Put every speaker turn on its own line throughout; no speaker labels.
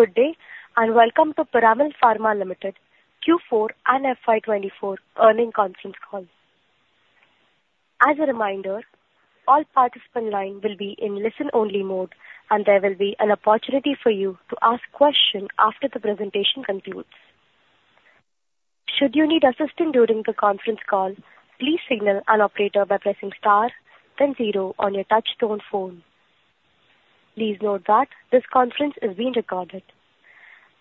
Good day and welcome to Piramal Pharma Limited Q4 and FY2024 Earnings Conference Call. As a reminder, all participant lines will be in listen-only mode and there will be an opportunity for you to ask questions after the presentation concludes. Should you need assistance during the conference call, please signal an operator by pressing star, then zero on your touch-tone phone. Please note that this conference is being recorded.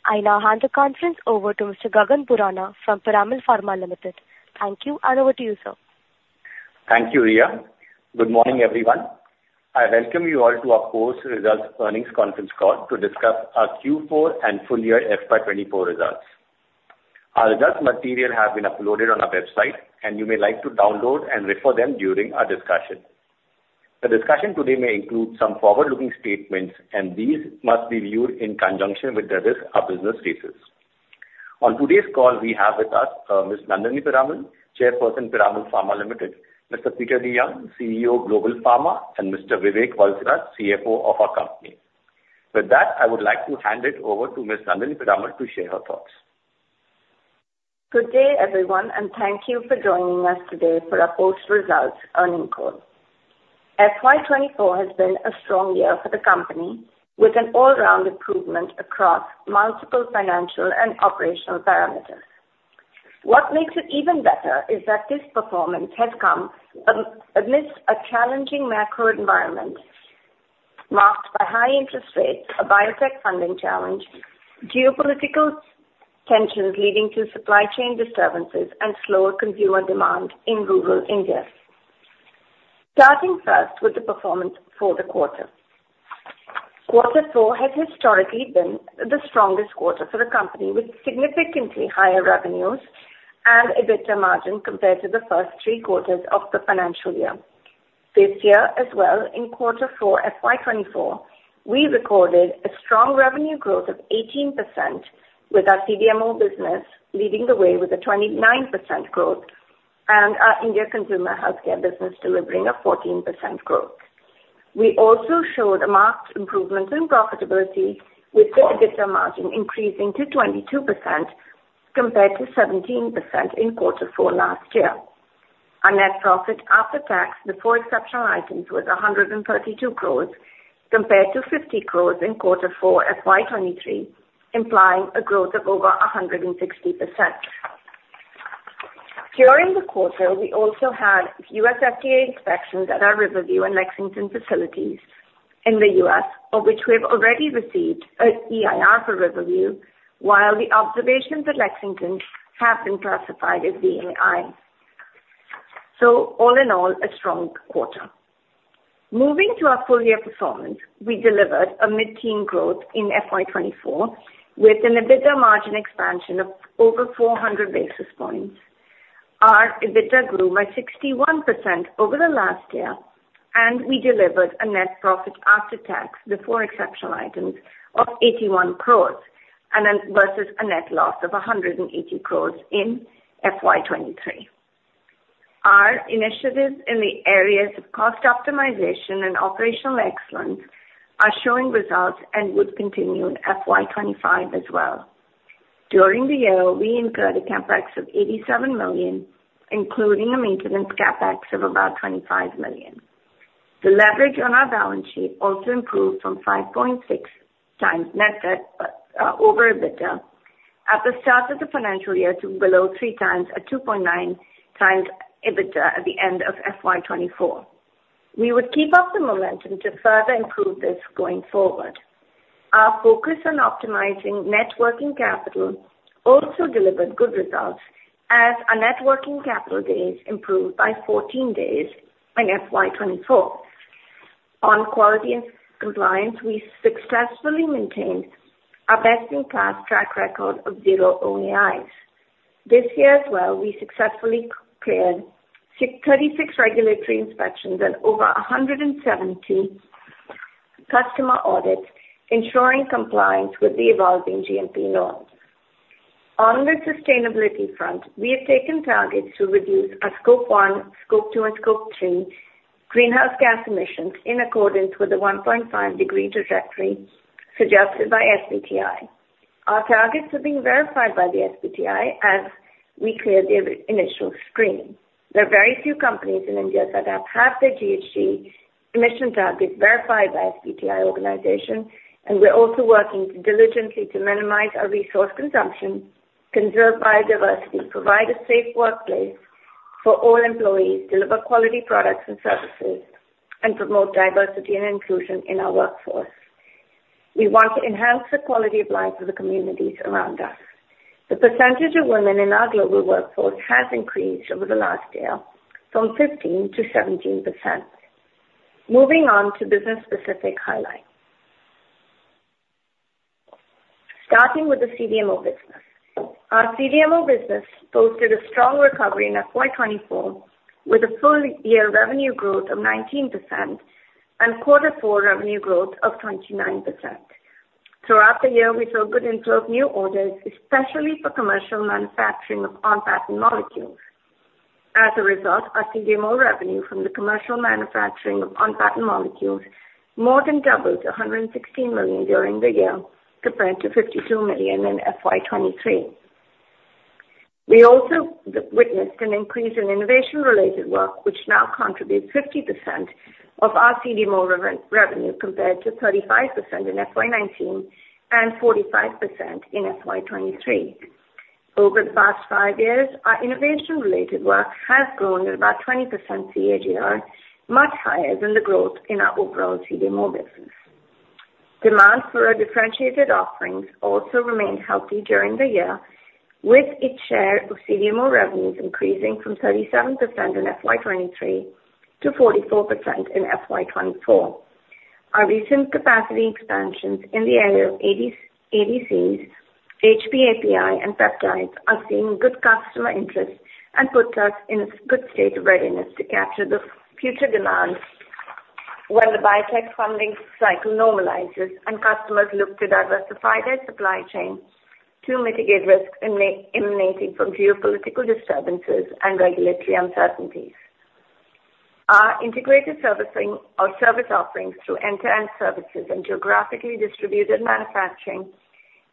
I now hand the conference over to Mr. Gagan Borana from Piramal Pharma Limited. Thank you and over to you, sir.
Thank you, Riya. Good morning, everyone. I welcome you all to our post-results earnings conference call to discuss our Q4 and full-year FY24 results. Our results material has been uploaded on our website and you may like to download and refer them during our discussion. The discussion today may include some forward-looking statements and these must be viewed in conjunction with the risk our business faces. On today's call we have with us Ms. Nandini Piramal, Chairperson, Piramal Pharma Limited, Mr. Peter DeYoung, CEO, Global Pharma, and Mr. Vivek Valsaraj, CFO of our company. With that, I would like to hand it over to Ms. Nandini Piramal to share her thoughts.
Good day, everyone, and thank you for joining us today for our post-results earnings call. FY24 has been a strong year for the company with an all-round improvement across multiple financial and operational parameters. What makes it even better is that this performance has come amidst a challenging macro environment marked by high interest rates, a biotech funding challenge, geopolitical tensions leading to supply chain disturbances, and slower consumer demand in rural India. Starting first with the performance for the quarter. Quarter four has historically been the strongest quarter for the company with significantly higher revenues and a better margin compared to the first three quarters of the financial year. This year as well, in quarter four FY24, we recorded a strong revenue growth of 18% with our CDMO business leading the way with a 29% growth and our India Consumer Healthcare business delivering a 14% growth. We also showed a marked improvement in profitability with the EBITDA margin increasing to 22% compared to 17% in quarter four last year. Our net profit after tax before exceptional items was 132 crores compared to 50 crores in quarter four FY23, implying a growth of over 160%. During the quarter, we also had U.S. FDA inspections at our Riverview and Lexington facilities in the US, of which we have already received an EIR for Riverview, while the observations at Lexington have been classified as VAI. So all in all, a strong quarter. Moving to our full-year performance, we delivered a mid-teens growth in FY24 with an EBITDA margin expansion of over 400 basis points. Our EBITDA grew by 61% over the last year and we delivered a net profit after tax before exceptional items of 81 crores versus a net loss of 180 crores in FY23. Our initiatives in the areas of cost optimization and operational excellence are showing results and would continue in FY25 as well. During the year, we incurred a CapEx of 87 million, including a maintenance CapEx of about 25 million. The leverage on our balance sheet also improved from 5.6x net debt over EBITDA at the start of the financial year to below 3x at 2.9x EBITDA at the end of FY24. We would keep up the momentum to further improve this going forward. Our focus on optimizing net working capital also delivered good results as our net working capital days improved by 14 days in FY24. On quality and compliance, we successfully maintained our best-in-class track record of zero OAIs. This year as well, we successfully cleared 36 regulatory inspections and over 170 customer audits, ensuring compliance with the evolving GMP norms. On the sustainability front, we have taken targets to reduce our Scope 1, Scope 2, and Scope 3 greenhouse gas emissions in accordance with the 1.5-degree trajectory suggested by SBTi. Our targets have been verified by the SBTi as we cleared the initial screen. There are very few companies in India that have their GHG emission targets verified by SBTi organization, and we're also working diligently to minimize our resource consumption, conserve biodiversity, provide a safe workplace for all employees, deliver quality products and services, and promote diversity and inclusion in our workforce. We want to enhance the quality of life of the communities around us. The percentage of women in our global workforce has increased over the last year from 15% to 17%. Moving on to business-specific highlights. Starting with the CDMO business. Our CDMO business posted a strong recovery in FY24 with a full-year revenue growth of 19% and quarter four revenue growth of 29%. Throughout the year, we saw good inflow of new orders, especially for commercial manufacturing of on-patent molecules. As a result, our CDMO revenue from the commercial manufacturing of on-patent molecules more than doubled to $116 million during the year compared to $52 million in FY23. We also witnessed an increase in innovation-related work, which now contributes 50% of our CDMO revenue compared to 35% in FY19 and 45% in FY23. Over the past five years, our innovation-related work has grown at about 20% CAGR, much higher than the growth in our overall CDMO business. Demand for our differentiated offerings also remained healthy during the year, with its share of CDMO revenues increasing from 37% in FY23 to 44% in FY24. Our recent capacity expansions in the area of ADCs, HPAPI, and peptides are seeing good customer interest and put us in a good state of readiness to capture the future demand when the biotech funding cycle normalizes and customers look to diversify their supply chain to mitigate risks emanating from geopolitical disturbances and regulatory uncertainties. Our integrated service offerings through end-to-end services and geographically distributed manufacturing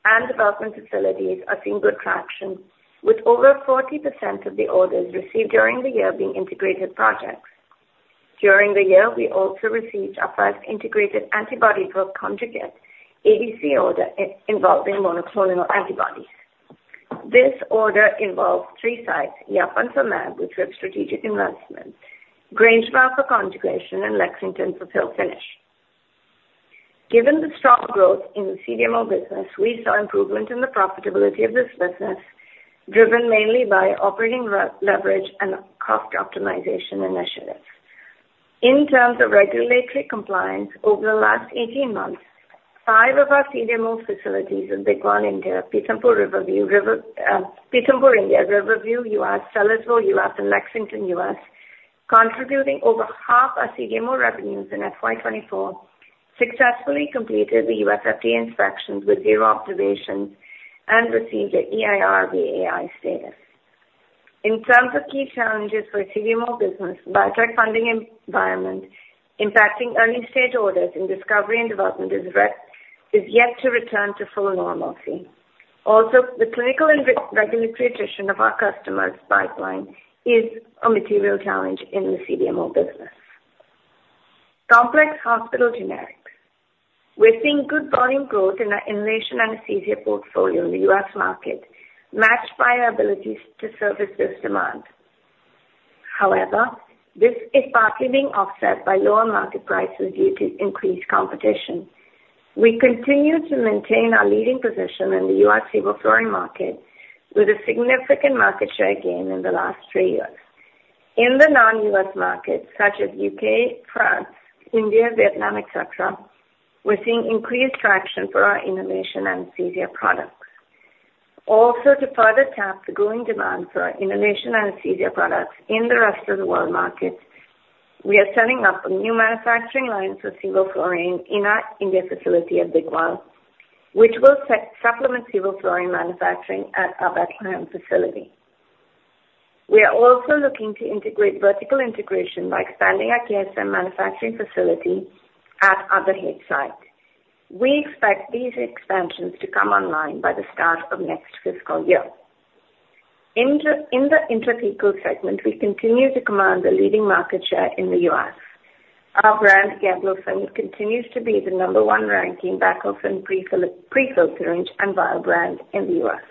and development facilities are seeing good traction, with over 40% of the orders received during the year being integrated projects. During the year, we also received our first integrated antibody drug conjugate ADC order involving monoclonal antibodies. This order involves three sites: Yapan for lab, which we have strategic investment, Grangemouth for conjugation, and Lexington for fill-finish. Given the strong growth in the CDMO business, we saw improvement in the profitability of this business, driven mainly by operating leverage and cost optimization initiatives. In terms of regulatory compliance, over the last 18 months, five of our CDMO facilities in Bhigwan, India, Pithampur, Riverview, Pithampur, India, Riverview, U.S., Sellersville, U.S., and Lexington, U.S., contributing over half our CDMO revenues in FY 2024, successfully completed the U.S. FDA inspections with zero observations and received an EIR VAI status. In terms of key challenges for CDMO business, biotech funding environment impacting early-stage orders in discovery and development is yet to return to full normalcy. Also, the clinical and regulatory attrition of our customers' pipeline is a material challenge in the CDMO business. Complex Hospital Generics. We're seeing good volume growth in our inhalation anesthesia portfolio in the U.S. market, matched by our ability to service this demand. However, this is partly being offset by lower market prices due to increased competition. We continue to maintain our leading position in the U.S. flurane market with a significant market share gain in the last three years. In the non-U.S. markets, such as U.K., France, India, Vietnam, etc., we're seeing increased traction for our inhalation anesthesia products. Also, to further tap the growing demand for our inhalation anesthesia products in the rest of the world markets, we are setting up a new manufacturing line for Sevoflurane in our India facility at Bhigwan, which will supplement Sevoflurane manufacturing at our Bethlehem facility. We are also looking to integrate vertical integration by expanding our KSM manufacturing facility at our Dahej site. We expect these expansions to come online by the start of next fiscal year. In the intrathecal segment, we continue to command the leading market share in the U.S. Our brand, Gablofen, continues to be the number one ranking baclofen prefilled and vial brand in the U.S.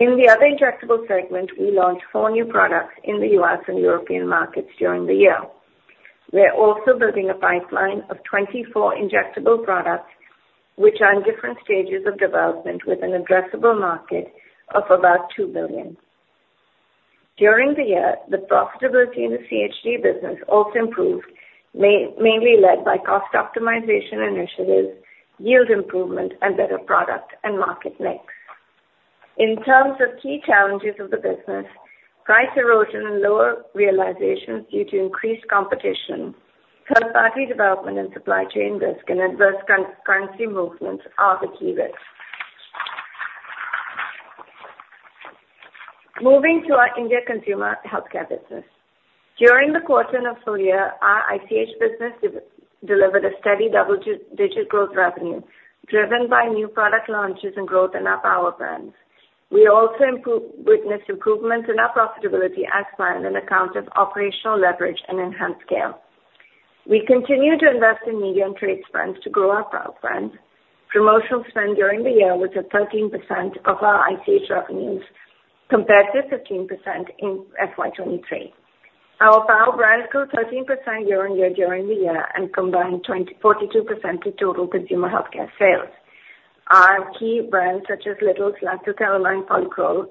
In the other injectable segment, we launched 4 new products in the U.S. and European markets during the year. We're also building a pipeline of 24 injectable products, which are in different stages of development with an addressable market of about $2 billion. During the year, the profitability in the CHG business also improved, mainly led by cost optimization initiatives, yield improvement, and better product and market mix. In terms of key challenges of the business, price erosion and lower realizations due to increased competition, third-party development and supply chain risk, and adverse currency movements are the key risks. Moving to our India Consumer Healthcare business. During the quarter and a full year, our ICH business delivered a steady double-digit growth revenue driven by new product launches and growth in our power brands. We also witnessed improvements in our profitability as planned on account of operational leverage and enhanced scale. We continue to invest in media and trade spends to grow our power brands. Promotional spend during the year was at 13% of our ICH revenues compared to 15% in FY23. Our power brands grew 13% year on year during the year and combined 42% of total consumer healthcare sales. Our key brands, such as Little's, Lacto Calamine, Polycrol,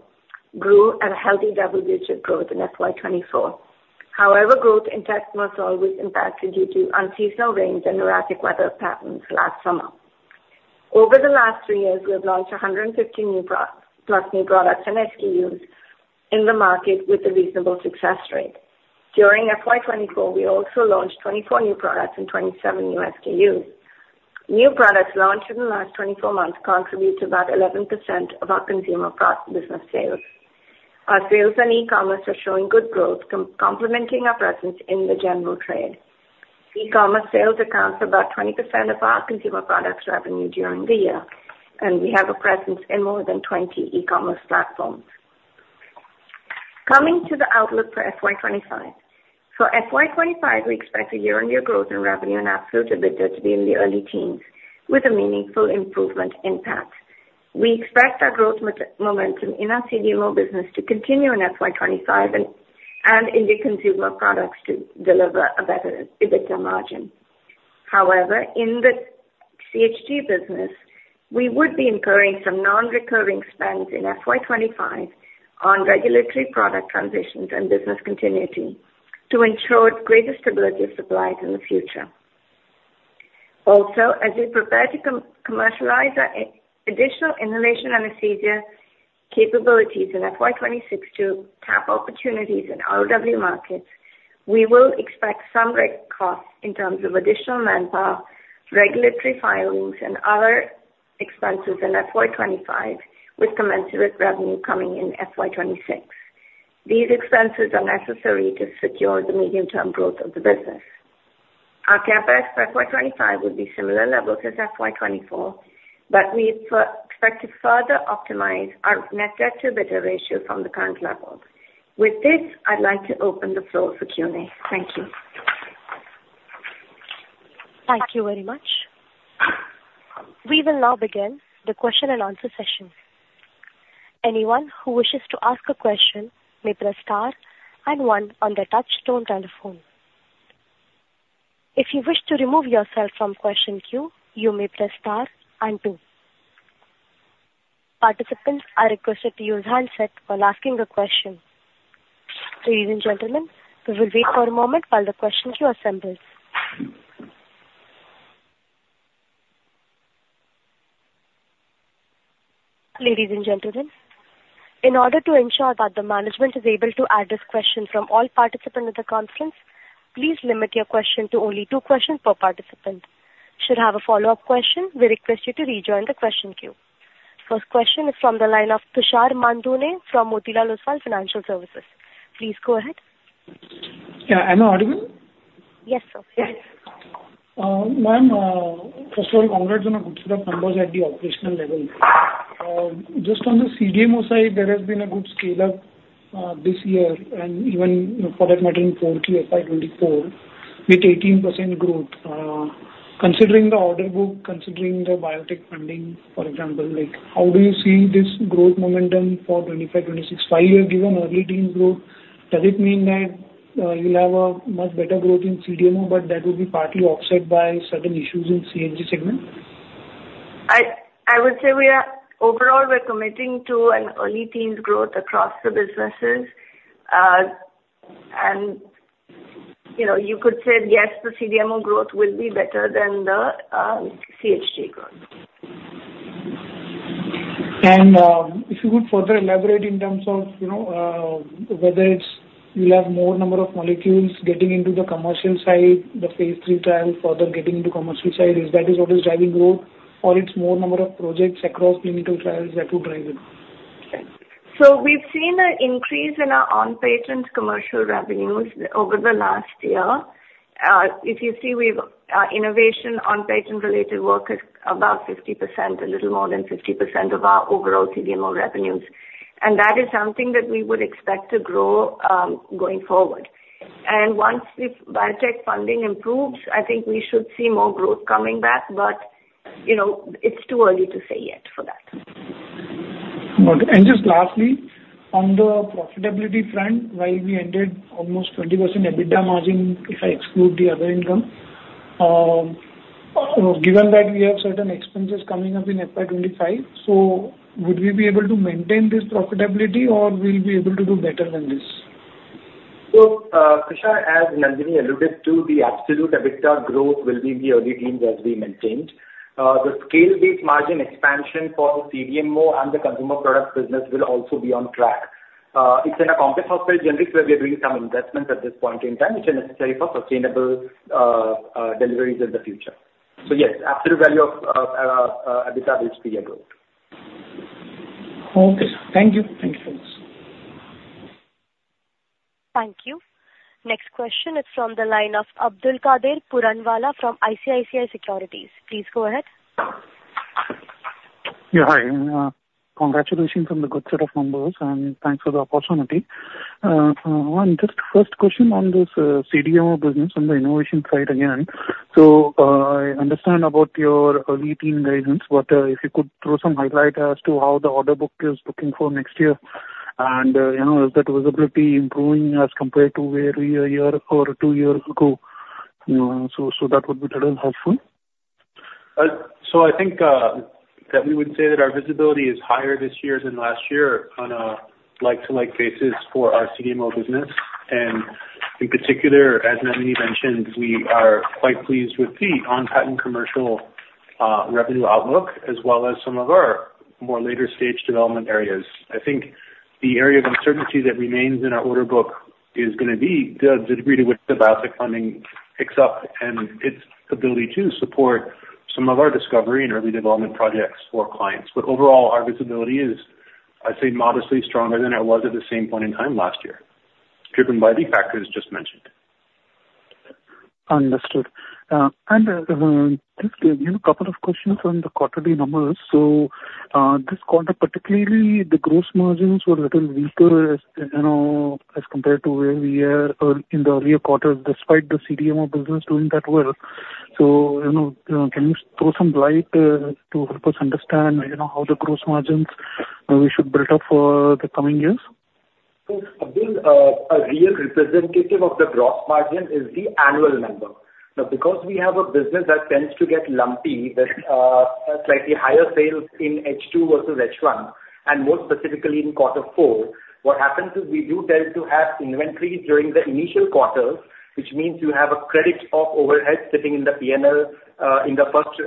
grew at a healthy double-digit growth in FY24. However, growth in talcum sales were impacted due to unseasonal rains and erratic weather patterns last summer. Over the last three years, we have launched 150-plus new products and SKUs in the market with a reasonable success rate. During FY24, we also launched 24 new products and 27 new SKUs. New products launched in the last 24 months contribute to about 11% of our consumer business sales. Our sales and e-commerce are showing good growth, complementing our presence in the general trade. E-commerce sales accounts for about 20% of our consumer products revenue during the year, and we have a presence in more than 20 e-commerce platforms. Coming to the outlook for FY25. For FY25, we expect a year-on-year growth in revenue and absolute EBITDA to be in the early teens with a meaningful improvement in PAT. We expect our growth momentum in our CDMO business to continue in FY25 and India Consumer products to deliver a better EBITDA margin. However, in the CHG business, we would be incurring some non-recurring spends in FY25 on regulatory product transitions and business continuity to ensure greater stability of supplies in the future. Also, as we prepare to commercialize our additional inhalation anesthesia capabilities in FY26 to tap opportunities in ROW markets, we will expect some R&D costs in terms of additional manpower, regulatory filings, and other expenses in FY25 with commensurate revenue coming in FY26. These expenses are necessary to secure the medium-term growth of the business. Our CapEx for FY25 would be similar levels as FY24, but we expect to further optimize our net debt to EBITDA ratio from the current levels. With this, I'd like to open the floor for Q&A. Thank you.
Thank you very much. We will now begin the question-and-answer session. Anyone who wishes to ask a question may press star and one on the touchtone telephone. If you wish to remove yourself from question queue, you may press star and two. Participants are requested to use handset when asking a question. Ladies and gentlemen, we will wait for a moment while the question queue assembles. Ladies and gentlemen, in order to ensure that the management is able to address questions from all participants of the conference, please limit your question to only two questions per participant. Should you have a follow-up question, we request you to rejoin the question queue. First question is from the line of Tushar Manudhane from Motilal Oswal Financial Services. Please go ahead.
Yeah. Am I audible? Yes, sir. Yes. Ma'am, first of all, congrats on a good set of numbers at the operational level. Just on the CDMO side, there has been a good scale-up this year, and even for that matter, in 4Q FY24, with 18% growth. Considering the order book, considering the biotech funding, for example, how do you see this growth momentum for 2025, 2026? Five-year given, early teens growth, does it mean that you'll have a much better growth in CDMO, but that would be partly offset by certain issues in CHG segment?
I would say overall, we're committing to an early teens growth across the businesses. And you could say, yes, the CDMO growth will be better than the CHG growth. And if you could further elaborate in terms of whether you'll have more number of molecules getting into the commercial side, the phase III trial further getting into commercial side, is that what is driving growth, or it's more number of projects across clinical trials that would drive it? So we've seen an increase in our on-patent commercial revenues over the last year. If you see, our innovation on-patent-related work is about 50%, a little more than 50% of our overall CDMO revenues. And that is something that we would expect to grow going forward. And once biotech funding improves, I think we should see more growth coming back, but it's too early to say yet for that.
And just lastly, on the profitability front, while we ended almost 20% EBITDA margin if I exclude the other income, given that we have certain expenses coming up in FY 2025, so would we be able to maintain this profitability, or will we be able to do better than this?
So Tushar, as Nandini alluded to, the absolute EBITDA growth will be in the early teens as we maintained. The scale-based margin expansion for the CDMO and the consumer product business will also be on track. It's in a Complex Hospital Generics where we are doing some investments at this point in time, which are necessary for sustainable deliveries in the future. So yes, absolute value of EBITDA will speed up growth.
Okay. Thank you.
Thank you so much.
Thank you. Next question is from the line of Abdul Qadir Puranwala from ICICI Securities. Please go ahead.
Yeah. Hi. Congratulations on the good set of numbers, and thanks for the opportunity. Ma'am, just first question on this CDMO business on the innovation side again. So I understand about your early teen guidance, but if you could throw some highlight as to how the order book is looking for next year, and is that visibility improving as compared to where we are a year or two years ago? So that would be a little helpful.
So I think that we would say that our visibility is higher this year than last year on a like-to-like basis for our CDMO business. And in particular, as Nandini mentioned, we are quite pleased with the on-patent commercial revenue outlook as well as some of our more later-stage development areas. I think the area of uncertainty that remains in our order book is going to be the degree to which the biotech funding picks up and its ability to support some of our discovery and early development projects for clients. But overall, our visibility is, I'd say, modestly stronger than it was at the same point in time last year, driven by the factors just mentioned.
Understood. And just give me a couple of questions on the quarterly numbers. So this quarter, particularly, the gross margins were a little weaker as compared to where we are in the earlier quarters despite the CDMO business doing that well. So can you throw some light to help us understand how the gross margins we should build up for the coming years?
So a real representative of the gross margin is the annual number. Now, because we have a business that tends to get lumpy, slightly higher sales in H2 versus H1, and more specifically in quarter four, what happens is we do tend to have inventory during the initial quarters, which means you have a credit of overhead sitting in the P&L in the first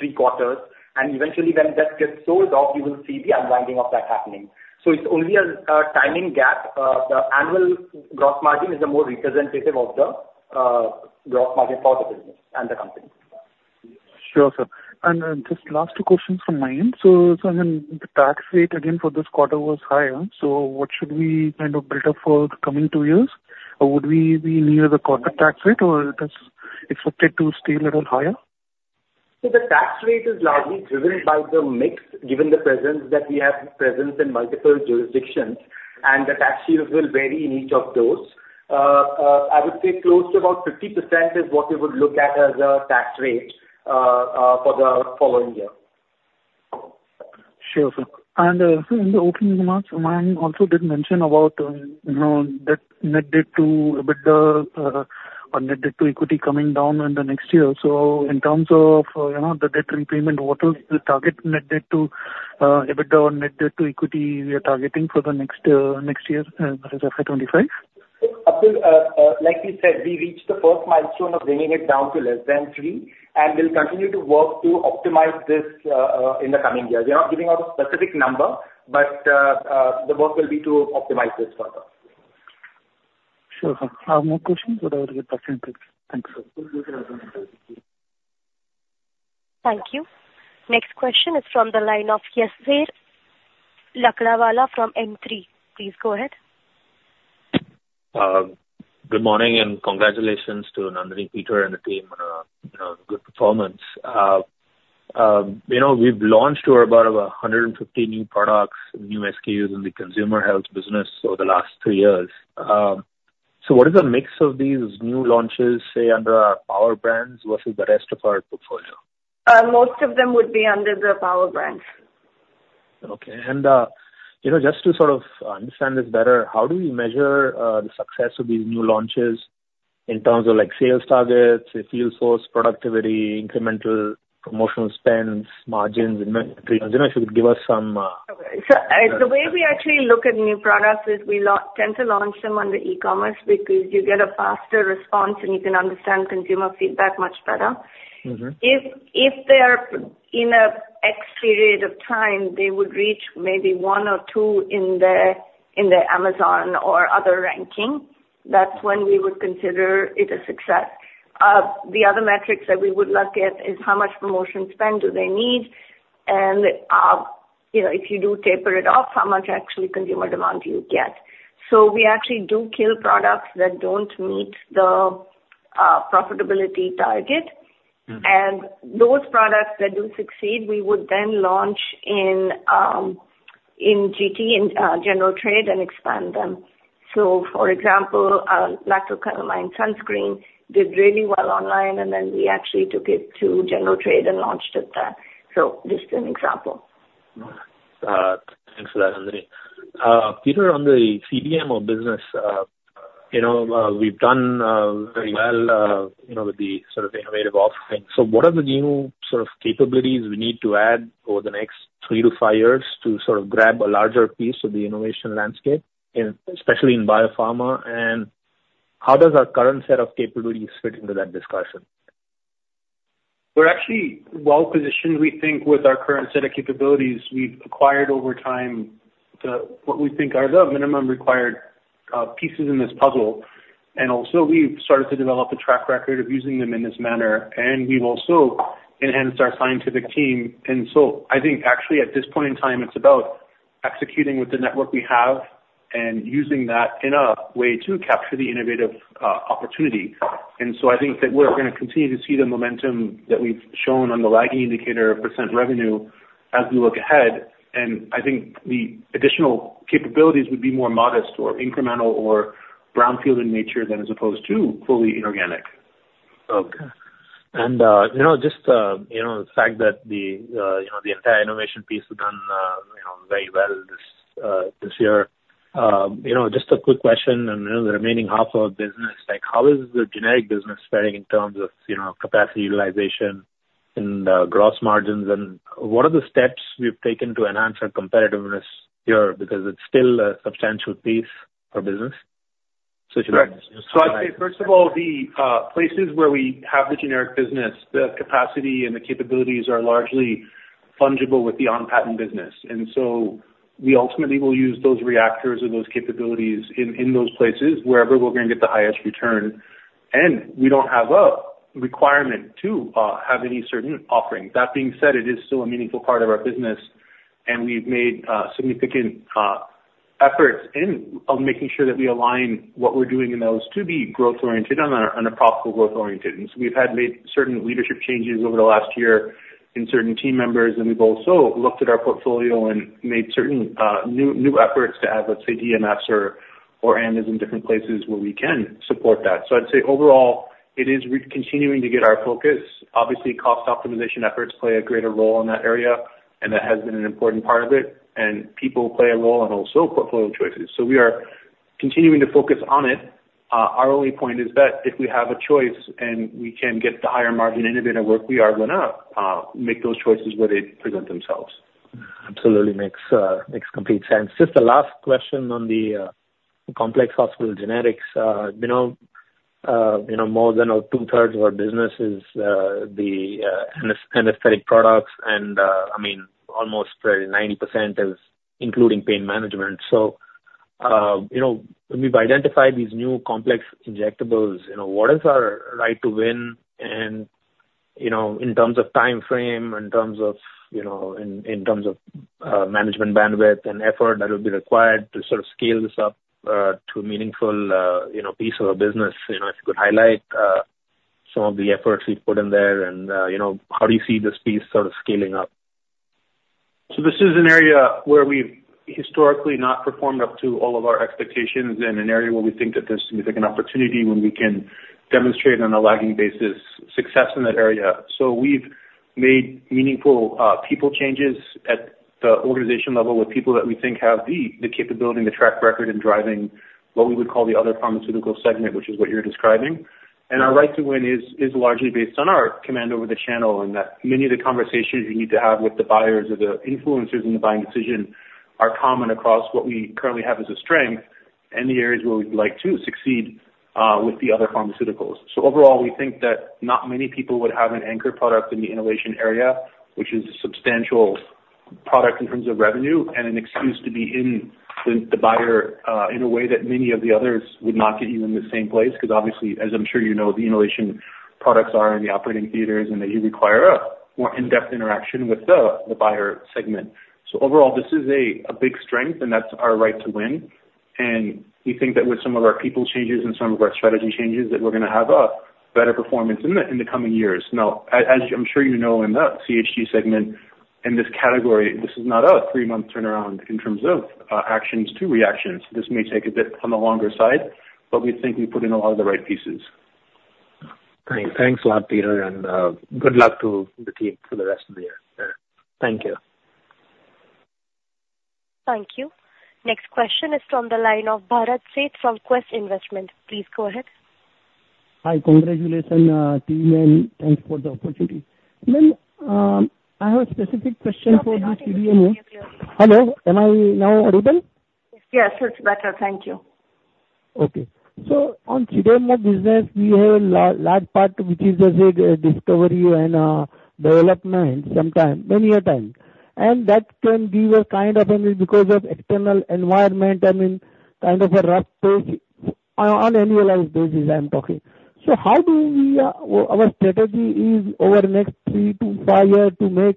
three quarters. And eventually, when that gets sold off, you will see the unwinding of that happening. So it's only a timing gap. The annual gross margin is the more representative of the gross margin for the business and the company.
Sure, sir. Just last 2 questions from my end. So I mean, the tax rate, again, for this quarter was higher. So what should we kind of build up for the coming 2 years? Would we be near the quarter tax rate, or is it expected to stay a little higher?
So the tax rate is largely driven by the mix, given the presence that we have presence in multiple jurisdictions, and the tax shields will vary in each of those. I would say close to about 50% is what we would look at as a tax rate for the following year.
Sure, sir. And in the opening remarks, Ma'am also did mention about net debt to EBITDA or net debt to equity coming down in the next year. So in terms of the debt repayment, what is the target net debt to EBITDA or net debt to equity we are targeting for the next year, that is FY25?
Abdul. Like you said, we reached the first milestone of bringing it down to less than 3, and we'll continue to work to optimize this in the coming years. We're not giving out a specific number, but the work will be to optimize this further.
Sure, sir. Have more questions, or do I get back in? Thanks, sir.
Thank you. Next question is from the line of Yasir Lakhlawala from M3. Please go ahead.
Good morning and congratulations to Nandini, Peter, and the team on a good performance. We've launched to about 150 new products, new SKUs in the consumer health business over the last 3 years. So what is the mix of these new launches, say, under our power brands versus the rest of our portfolio?
Most of them would be under the power brands.
Okay. And just to sort of understand this better, how do we measure the success of these new launches in terms of sales targets, if you'll source productivity, incremental promotional spends, margins, inventory? If you could give us some.
Okay. So the way we actually look at new products is we tend to launch them on the e-commerce because you get a faster response, and you can understand consumer feedback much better. If they are in an X period of time, they would reach maybe one or two in their Amazon or other ranking. That's when we would consider it a success. The other metrics that we would look at is how much promotion spend do they need, and if you do taper it off, how much actually consumer demand do you get? So we actually do kill products that don't meet the profitability target. And those products that do succeed, we would then launch in GT, in general trade, and expand them. So for example, Lacto Calamine sunscreen did really well online, and then we actually took it to general trade and launched it there. So just an example.
Thanks for that, Nandini. Peter, on the CDMO business, we've done very well with the sort of innovative offering. So what are the new sort of capabilities we need to add over the next 3-5 years to sort of grab a larger piece of the innovation landscape, especially in biopharma? How does our current set of capabilities fit into that discussion?
We're actually well-positioned, we think, with our current set of capabilities. We've acquired over time what we think are the minimum required pieces in this puzzle. And also, we've started to develop a track record of using them in this manner, and we've also enhanced our scientific team. And so I think actually, at this point in time, it's about executing with the network we have and using that in a way to capture the innovative opportunity. And so I think that we're going to continue to see the momentum that we've shown on the lagging indicator of percent revenue as we look ahead. And I think the additional capabilities would be more modest or incremental or brownfield in nature than as opposed to fully inorganic.
Okay. And just the fact that the entire innovation piece was done very well this year. Just a quick question. And the remaining half of our business, how is the generic business faring in terms of capacity utilization and gross margins? And what are the steps we've taken to enhance our competitiveness here? Because it's still a substantial piece for business. So should I just use that?
So I'd say, first of all, the places where we have the generic business, the capacity and the capabilities are largely fungible with the on-patent business. And so we ultimately will use those reactors or those capabilities in those places wherever we're going to get the highest return. And we don't have a requirement to have any certain offering. That being said, it is still a meaningful part of our business, and we've made significant efforts in making sure that we align what we're doing in those to be growth-oriented and a profitable growth-oriented. And so we've had made certain leadership changes over the last year in certain team members, and we've also looked at our portfolio and made certain new efforts to add, let's say, DMFs or ANDAs in different places where we can support that. So I'd say overall, it is continuing to get our focus. Obviously, cost optimization efforts play a greater role in that area, and that has been an important part of it. And people play a role and also portfolio choices. So we are continuing to focus on it. Our only point is that if we have a choice and we can get the higher margin innovative work we are going to make those choices where they present themselves.
Absolutely makes complete sense. Just the last question on the Complex Hospital Generics. More than two-thirds of our business is the anesthetic products, and I mean, almost 90% is including pain management. So when we've identified these new complex injectables, what is our right to win in terms of time frame, in terms of management bandwidth, and effort that will be required to sort of scale this up to a meaningful piece of our business? If you could highlight some of the efforts we've put in there, and how do you see this piece sort of scaling up?
So this is an area where we've historically not performed up to all of our expectations and an area where we think that there's significant opportunity when we can demonstrate on a lagging basis success in that area. So we've made meaningful people changes at the organization level with people that we think have the capability, the track record, in driving what we would call the other pharmaceutical segment, which is what you're describing. And our right to win is largely based on our command over the channel and that many of the conversations we need to have with the buyers or the influencers in the buying decision are common across what we currently have as a strength and the areas where we'd like to succeed with the other pharmaceuticals. So overall, we think that not many people would have an anchor product in the innovation area, which is a substantial product in terms of revenue and an excuse to be in the buyer in a way that many of the others would not get you in the same place because obviously, as I'm sure you know, the innovation products are in the operating theaters, and they do require a more in-depth interaction with the buyer segment. So overall, this is a big strength, and that's our right to win. We think that with some of our people changes and some of our strategy changes, that we're going to have a better performance in the coming years. Now, as I'm sure you know, in the CHG segment, in this category, this is not a three-month turnaround in terms of actions to reactions. This may take a bit on the longer side, but we think we put in a lot of the right pieces.
Great. Thanks a lot, Peter, and good luck to the team for the rest of the year.
Thank you.
Thank you. Next question is from the line of Bharat Sheth from Quest Investment Advisors. Please go ahead.
Hi. Congratulations, team, and thanks for the opportunity. Ma'am, I have a specific question for the CDMO. Hello. Am I now audible?
Yes, it's better. Thank you.
Okay. So on CDMO business, we have a large part which is, as I said, discovery and development sometimes, many a time. And that can give a kind of because of external environment, I mean, kind of a rough pace on annualized basis, I'm talking. So how do we—our strategy is over the next 3-5 years to make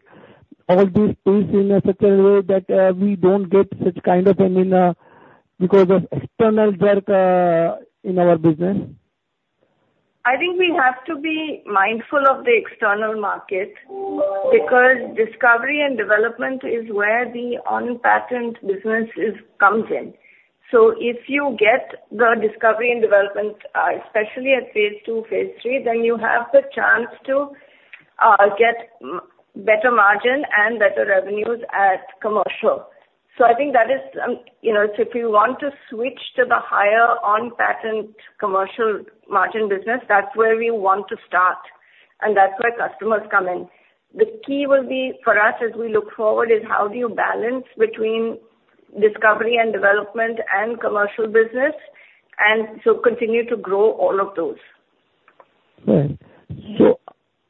all this pace in such a way that we don't get such kind of because of external work in our business?
I think we have to be mindful of the external market because discovery and development is where the on-patent business comes in. So if you get the discovery and development, especially at phase II, phase III, then you have the chance to get better margin and better revenues at commercial. So I think that is if you want to switch to the higher on-patent commercial margin business, that's where we want to start, and that's where customers come in. The key will be for us as we look forward is how do you balance between discovery and development and commercial business and so continue to grow all of those.
Right.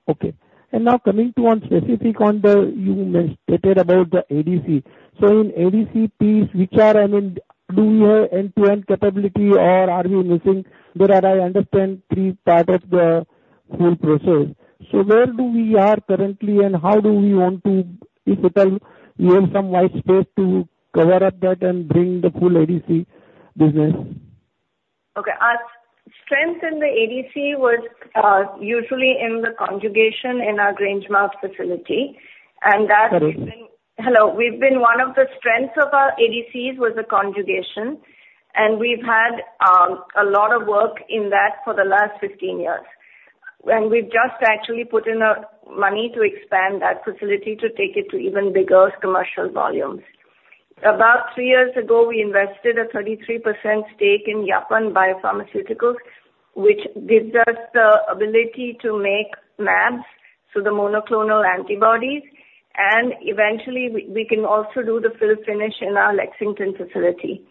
Okay. And now coming to one specific one, you stated about the ADC. So in the ADC piece, which, I mean, do we have end-to-end capability, or are we missing? But I understand three parts of the whole process. So where we are currently, and how do we want to, if at all, fill up that white space and bring the full ADC business?
Okay. Our strength in the ADC was usually in the conjugation in our Grangemouth facility. And that's been. Sorry. Hello. One of the strengths of our ADCs was the conjugation, and we've had a lot of work in that for the last 15 years. And we've just actually put in money to expand that facility to take it to even bigger commercial volumes. About 3 years ago, we invested a 33% stake in Yapan Bio, which gives us the ability to make MABs, so the monoclonal antibodies. And eventually, we can also do the fill-finish in our Lexington facility.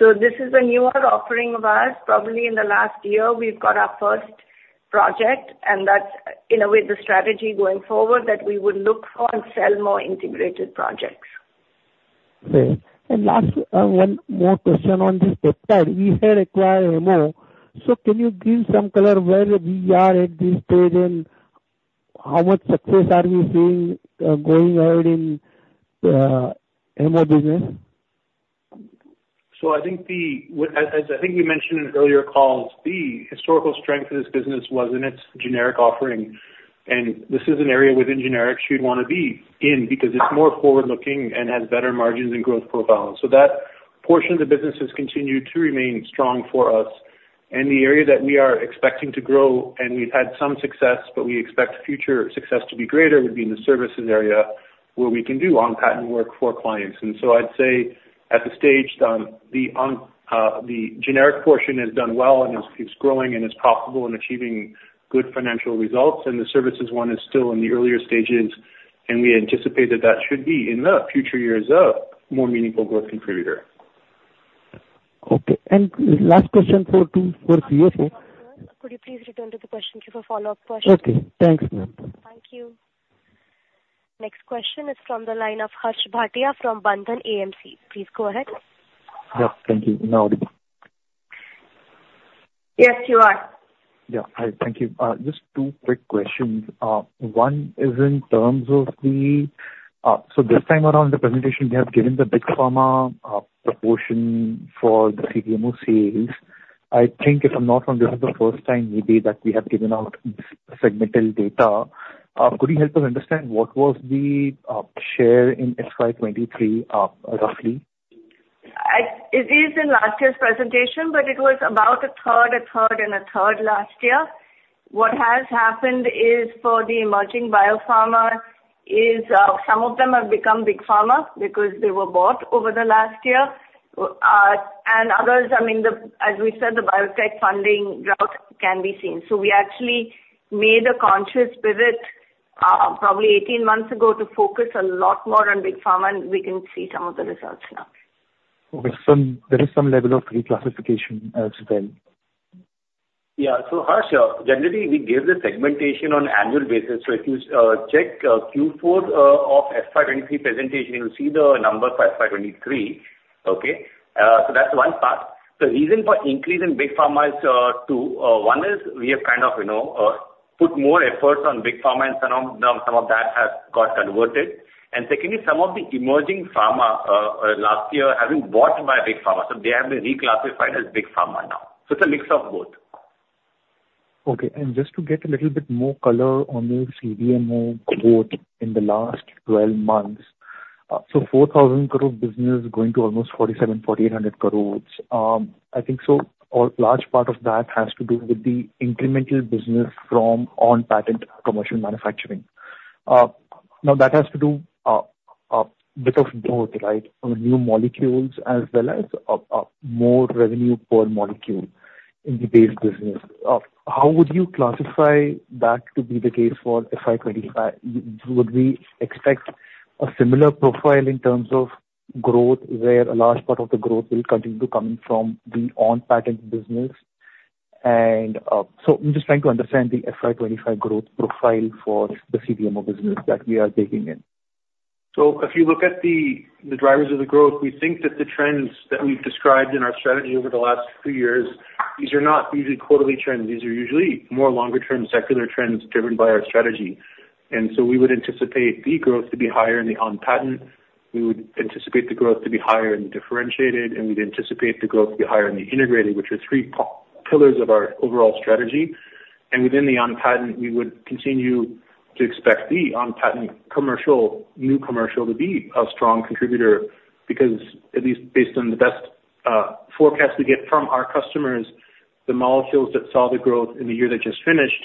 So this is a newer offering of ours. Probably in the last year, we've got our first project, and that's in a way the strategy going forward that we would look for and sell more integrated projects.
Okay. And last one more question on this white space. We had acquired Hemmo. So can you give some color where we are at this stage and how much success are we seeing going ahead in the Hemmo business?
So I think, as I think we mentioned in earlier calls, the historical strength of this business was in its generic offering. This is an area within generics you'd want to be in because it's more forward-looking and has better margins and growth profiles. That portion of the business has continued to remain strong for us. The area that we are expecting to grow, and we've had some success, but we expect future success to be greater, would be in the services area where we can do on-patent work for clients. So I'd say at the stage, the generic portion has done well and is growing and is profitable and achieving good financial results. The services one is still in the earlier stages, and we anticipate that that should be in the future years a more meaningful growth contributor.
Okay. Last question for CFO.
Could you please return to the question? Give a follow-up question.
Okay. Thanks, ma'am.
Thank you. Next question is from the line of Harsh Bhatia from Bandhan AMC. Please go ahead.
Yeah. Thank you. No audible.
Yes, you are.
Yeah. Thank you. Just two quick questions. One is in terms of the, so this time around the presentation, we have given the big pharma proportion for the CDMO sales. I think if I'm not wrong, this is the first time maybe that we have given out segmental data. Could you help us understand what was the share in FY23 roughly?
It is in last year's presentation, but it was about a third, a third, and a third last year. What has happened is for the emerging biopharma, some of them have become big pharma because they were bought over the last year. And others, I mean, as we said, the biotech funding drought can be seen. So we actually made a conscious pivot probably 18 months ago to focus a lot more on big pharma, and we can see some of the results now. Okay. So there is some level of reclassification as well.
Yeah. So Haj, generally, we give the segmentation on annual basis. So if you check Q4 of FY23 presentation, you'll see the number for FY23, okay? So that's one part. The reason for increase in big pharma is two. One is we have kind of put more efforts on big pharma, and some of that has got converted. And secondly, some of the emerging pharma last year have been bought by big pharma. So they have been reclassified as big pharma now. So it's a mix of both.
Okay. Just to get a little bit more color on the CDMO growth in the last 12 months, so 4,000 crore business going to almost 4,700 crore-4,800 crore, I think so, or large part of that has to do with the incremental business from on-patent commercial manufacturing. Now, that has to do a bit of both, right, new molecules as well as more revenue per molecule in the base business. How would you classify that to be the case for FY25? Would we expect a similar profile in terms of growth where a large part of the growth will continue to come from the on-patent business? And so I'm just trying to understand the FY25 growth profile for the CDMO business that we are digging in.
So if you look at the drivers of the growth, we think that the trends that we've described in our strategy over the last few years, these are not usually quarterly trends. These are usually more longer-term secular trends driven by our strategy. And so we would anticipate the growth to be higher in the on-patent. We would anticipate the growth to be higher in the differentiated, and we'd anticipate the growth to be higher in the integrated, which are three pillars of our overall strategy. And within the on-patent, we would continue to expect the on-patent commercial, new commercial, to be a strong contributor because, at least based on the best forecast we get from our customers, the molecules that saw the growth in the year that just finished,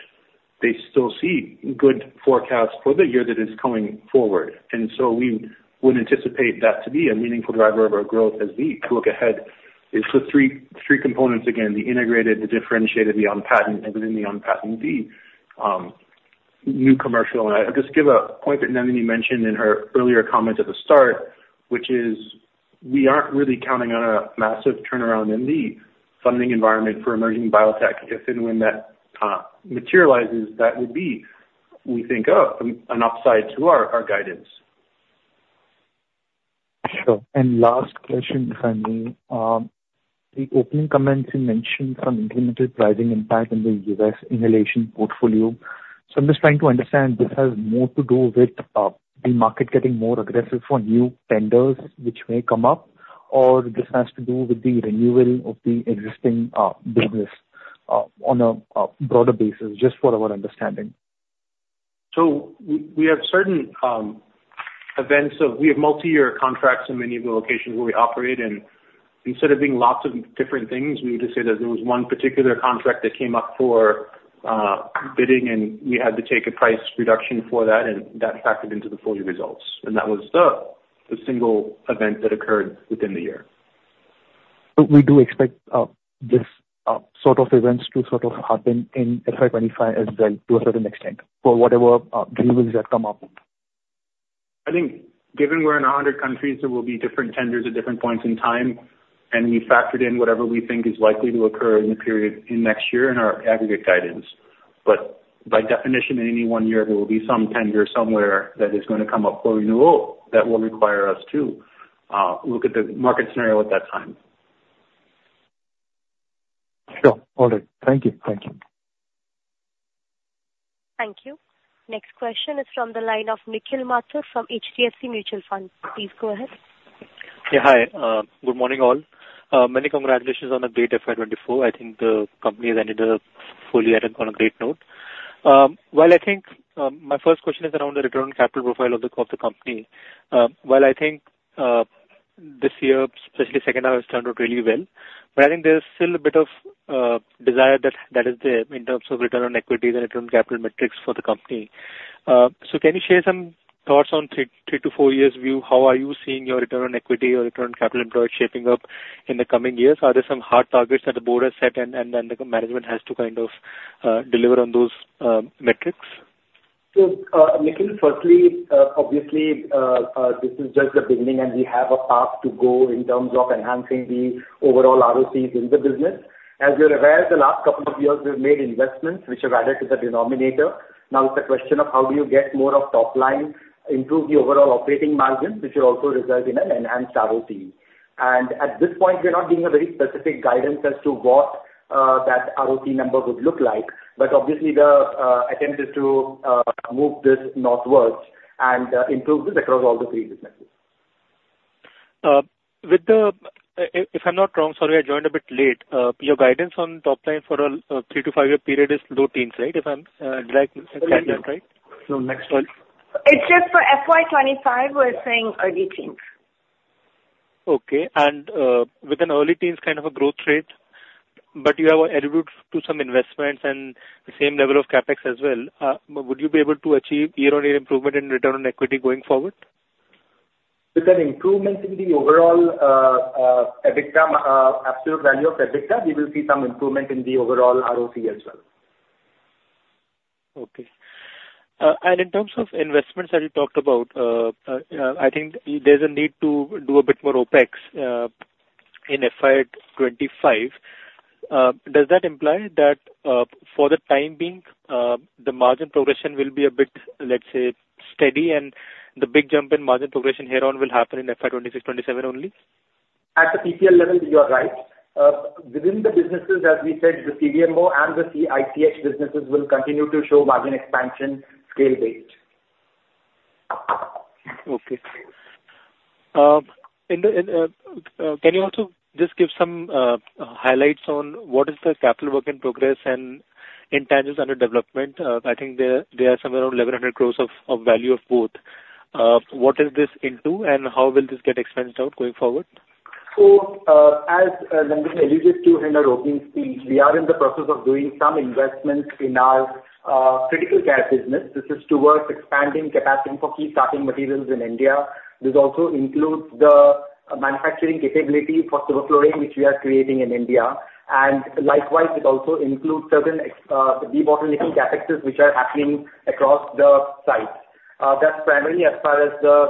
they still see good forecasts for the year that is coming forward. And so we would anticipate that to be a meaningful driver of our growth as we look ahead. It's the three components again, the integrated, the differentiated, the on-patent, and within the on-patent, the new commercial. And I'll just give a point that Nandini mentioned in her earlier comment at the start, which is we aren't really counting on a massive turnaround in the funding environment for emerging biotech. If and when that materializes, that would be, we think, an upside to our guidance.
Sure. And last question, if I may. The opening comments you mentioned from incremental pricing impact in the U.S. inhalation portfolio. So I'm just trying to understand, this has more to do with the market getting more aggressive for new tenders which may come up, or this has to do with the renewal of the existing business on a broader basis, just for our understanding?
So we have certain events of we have multi-year contracts in many of the locations where we operate. And instead of being lots of different things, we would just say that there was one particular contract that came up for bidding, and we had to take a price reduction for that, and that factored into the full results. And that was the single event that occurred within the year. So we do expect this sort of events to sort of happen in FY25 as well to a certain extent for whatever renewals that come up. I think given we're in 100 countries, there will be different tenders at different points in time. And we factored in whatever we think is likely to occur in the period in next year in our aggregate guidance. But by definition, in any one year, there will be some tender somewhere that is going to come up for renewal that will require us to look at the market scenario at that time.
Sure. All right. Thank you.
Thank you.
Thank you. Next question is from the line of Nikhil Mathur from HDFC Mutual Fund. Please go ahead.
Yeah. Hi. Good morning, all. Many congratulations on the great FY24. I think the company has ended the full year on a great note. While I think my first question is around the return on capital profile of the company. While I think this year, especially second half, has turned out really well, but I think there's still a bit of desire that is there in terms of return on equity and return on capital metrics for the company. So can you share some thoughts on three to four years' view? How are you seeing your return on equity or return on capital employed shaping up in the coming years? Are there some hard targets that the board has set, and then the management has to kind of deliver on those metrics?
So Nikhil, firstly, obviously, this is just the beginning, and we have a path to go in terms of enhancing the overall ROCs in the business. As you're aware, the last couple of years, we've made investments which have added to the denominator. Now, it's a question of how do you get more of top line, improve the overall operating margin, which will also result in an enhanced ROC. And at this point, we're not giving a very specific guidance as to what that ROC number would look like. But obviously, the attempt is to move this northwards and improve this across all the three businesses.
If I'm not wrong - sorry, I joined a bit late - your guidance on top line for a 3- to 5-year period is low teens, right? If I'm directly stating that right? So next one.
It's just for FY25, we're saying early teens.
Okay. And with an early teens kind of a growth rate, but you have attributed to some investments and the same level of CapEx as well, would you be able to achieve year-on-year improvement in return on equity going forward?
With an improvement in the overall absolute value of EBITDA, we will see some improvement in the overall ROC as well.
Okay. And in terms of investments that you talked about, I think there's a need to do a bit more OpEx in FY25. Does that imply that for the time being, the margin progression will be a bit, let's say, steady, and the big jump in margin progression hereon will happen in FY26, FY27 only?
At the PPL level, you are right. Within the businesses, as we said, the CDMO and the CICH businesses will continue to show margin expansion scale-based.
Okay. Can you also just give some highlights on what is the capital work in progress and intangibles under development? I think they are somewhere around 1,100 crores of value of both. What is this into, and how will this get expensed out going forward?
So as Nandini alluded to in her opening speech, we are in the process of doing some investments in our critical care business. This is towards expanding capacity for key starting materials in India. This also includes the manufacturing capability for Sevoflurane, which we are creating in India. Likewise, it also includes certain de-bottlenecking CapEx which are happening across the sites. That's primarily as far as the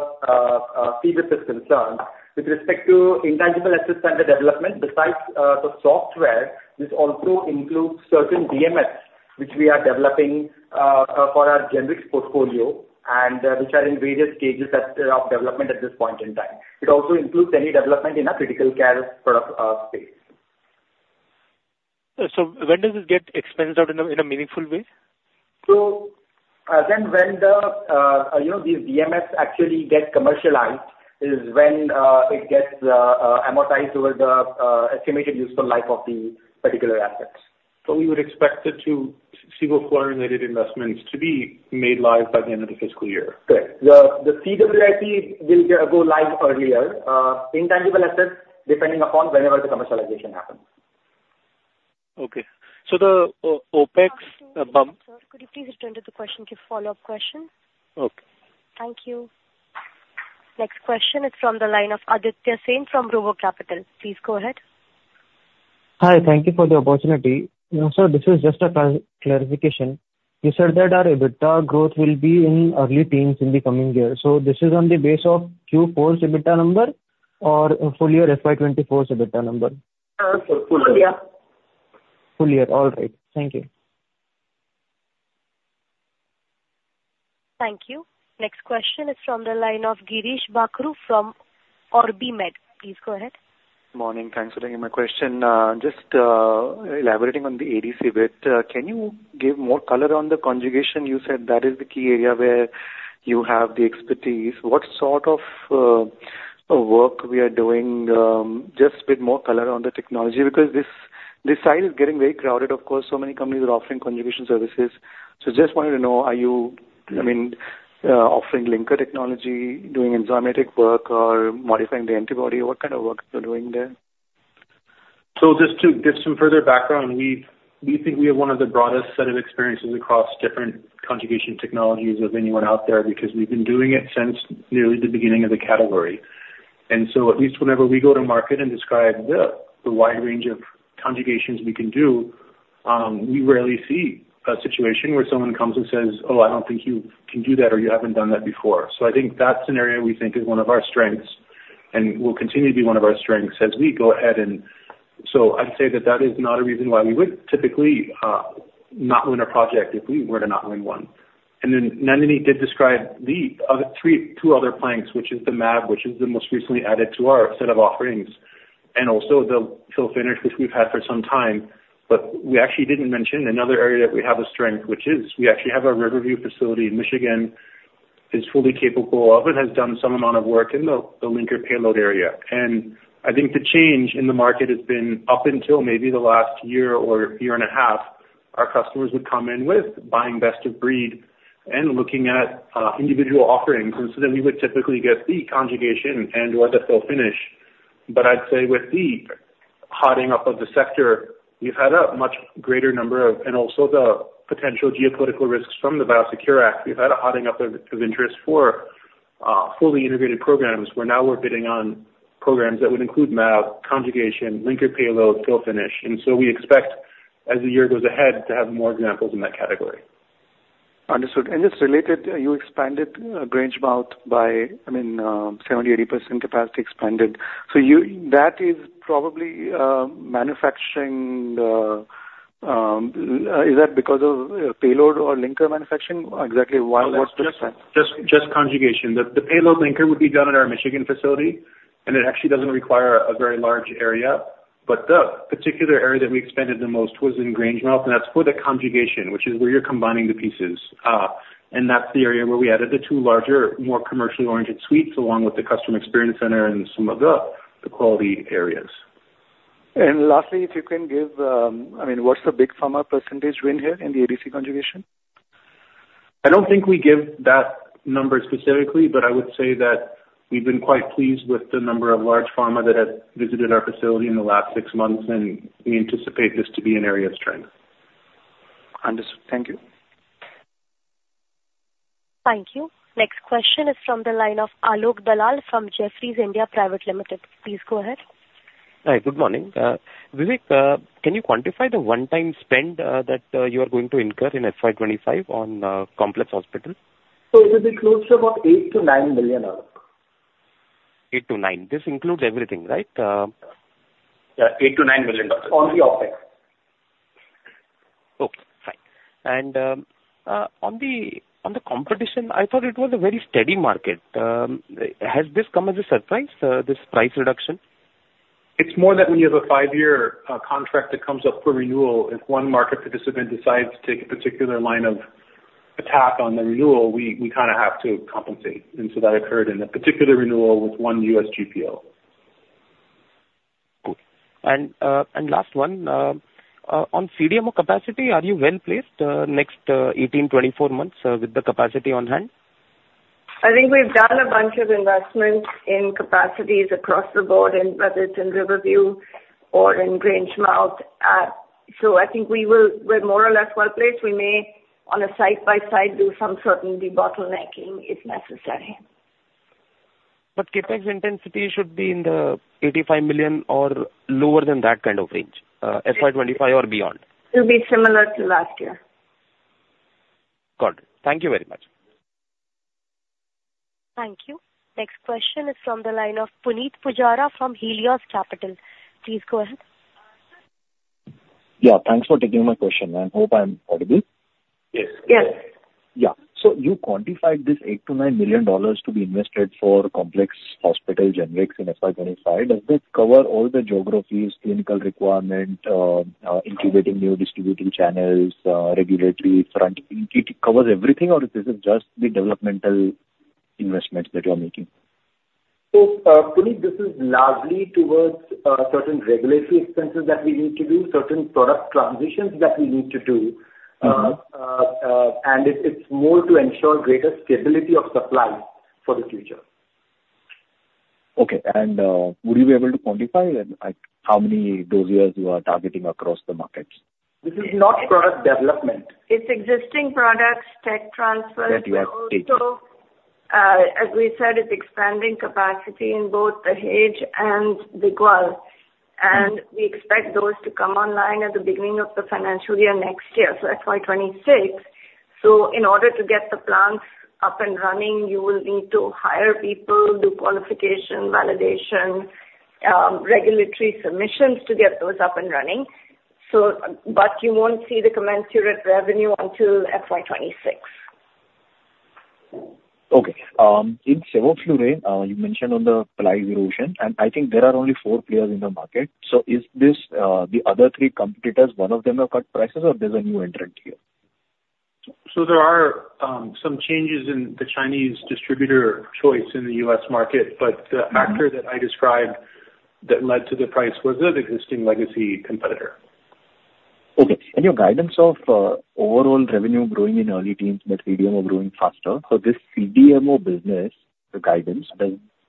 CapEx is concerned. With respect to intangible assets under development, besides the software, this also includes certain DMFs which we are developing for our generics portfolio and which are in various stages of development at this point in time. It also includes any development in our critical care space.
So when does this get expensed out in a meaningful way?
Then when these DMFs actually get commercialized is when it gets amortized over the estimated useful life of the particular assets.
We would expect the Sevoflurane-related investments to be made live by the end of the fiscal year.
Correct. The CWIP will go live earlier, intangible assets, depending upon whenever the commercialization happens.
Okay. So the OPEX bump.
Sorry. Could you please return to the question? Give follow-up question.
Okay.
Thank you. Next question is from the line of Aditya Singh from Robo Capital. Please go ahead.
Hi. Thank you for the opportunity. Sir, this is just a clarification. You said that our EBITDA growth will be in early teens in the coming year. So this is on the base of Q4's EBITDA number or full year FY24's EBITDA number?
Full year.
Full year. All right. Thank you.
Thank you. Next question is from the line of Girish Bakhru from OrbiMed. Please go ahead.
Morning. Thanks for taking my question. Just elaborating on the ADC bit, can you give more color on the conjugation? You said that is the key area where you have the expertise. What sort of work we are doing? Just with more color on the technology because this side is getting very crowded, of course. So many companies are offering conjugation services. So just wanted to know, are you, I mean, offering linker technology, doing enzymatic work, or modifying the antibody? What kind of work are you doing there?
So just to give some further background, we think we have one of the broadest set of experiences across different conjugation technologies of anyone out there because we've been doing it since nearly the beginning of the category. And so at least whenever we go to market and describe the wide range of conjugations we can do, we rarely see a situation where someone comes and says, "Oh, I don't think you can do that," or, "You haven't done that before." So I think that scenario, we think, is one of our strengths and will continue to be one of our strengths as we go ahead and so I'd say that that is not a reason why we would typically not win a project if we were to not win one. And then Nandini did describe the two other planks, which is the MAB, which is the most recently added to our set of offerings, and also the fill-finish, which we've had for some time, but we actually didn't mention another area that we have a strength, which is we actually have a Riverview facility in Michigan that is fully capable of and has done some amount of work in the linker payload area. And I think the change in the market has been up until maybe the last year or year and a half, our customers would come in with buying best of breed and looking at individual offerings. And so then we would typically get the conjugation and/or the fill-finish. But I'd say with the heating up of the sector, we've had a much greater number of and also the potential geopolitical risks from the Biosecure Act, we've had a heating up of interest for fully integrated programs where now we're bidding on programs that would include MAB, conjugation, linker payload, fill-finish. And so we expect, as the year goes ahead, to have more examples in that category.
Understood. And just related, you expanded Grangemouth by, I mean, 70%-80% capacity expanded. So that is probably manufacturing. Is that because of payload or linker manufacturing? Exactly what's the expansion? Just conjugation. The payload linker would be done at our Michigan facility, and it actually doesn't require a very large area. But the particular area that we expanded the most was in Grangemouth, and that's for the conjugation, which is where you're combining the pieces. And that's the area where we added the 2 larger, more commercially oriented suites along with the customer experience center and some of the quality areas. And lastly, if you can give, I mean, what's the big pharma percentage win here in the ADC conjugation?
I don't think we give that number specifically, but I would say that we've been quite pleased with the number of large pharma that have visited our facility in the last 6 months, and we anticipate this to be an area of strength.
Understood. Thank you.
Thank you. Next question is from the line of Alok Dalal from Jefferies India Private Limited. Please go ahead.
Hi. Good morning. Vivek, can you quantify the one-time spend that you are going to incur in FY25 on Complex Hospital? So it will be close to about $8 million-$9 million, Alok. $8-$9. This includes everything, right?
Yeah. $8 million-$9 million. On the OpEx. Oh, fine.
And on the competition, I thought it was a very steady market. Has this come as a surprise, this price reduction?
It's more that when you have a five-year contract that comes up for renewal, if one market participant decides to take a particular line of attack on the renewal, we kind of have to compensate. And so that occurred in a particular renewal with one US GPO.
And last one. On CDMO capacity, are you well-placed next 18, 24 months with the capacity on hand?
I think we've done a bunch of investments in capacities across the board, whether it's in Riverview or in Grangemouth. So I think we're more or less well-placed. We may, on a side-by-side, do some certain de-bottlenecking if necessary.
But CapEx intensity should be in the $85 million or lower than that kind of range, FY25 or beyond.
It will be similar to last year.
Got it. Thank you very much.
Thank you. Next question is from the line of Punit Pujara from Helios Capital. Please go ahead.
Yeah. Thanks for taking my question. I hope I'm audible.
Yes.
Yes.
Yeah. So you quantified this $8 million-$9 million to be invested for Complex Hospital Generics in FY25. Does this cover all the geographies, clinical requirement, incubating new distributing channels, regulatory front? It covers everything, or this is just the developmental investments that you are making?
So Punit, this is largely towards certain regulatory expenses that we need to do, certain product transitions that we need to do, and it's more to ensure greater stability of supply for the future.
Okay. Would you be able to quantify how many dose years you are targeting across the markets?
This is not product development.
It's existing products, tech transfers that you have taken. So as we said, it's expanding capacity in both the Dahej and the Digwal, and we expect those to come online at the beginning of the financial year next year, so FY26. So in order to get the plants up and running, you will need to hire people, do qualification, validation, regulatory submissions to get those up and running. But you won't see the commensurate revenue until FY26.
Okay. In sevoflurane, you mentioned on the price erosion, and I think there are only 4 players in the market. So is this the other 3 competitors? One of them have cut prices, or there's a new entrant here?
So there are some changes in the Chinese distributor choice in the U.S. market, but the factor that I described that led to the price, was that existing legacy competitor?
Okay. In your guidance of overall revenue growing in early teens that CDMO is growing faster, so this CDMO business, the guidance,